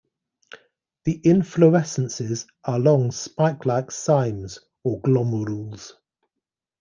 The inflorescences are long spikelike cymes or glomerules.